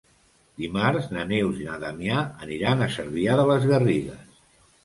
Dimarts na Neus i na Damià aniran a Cervià de les Garrigues.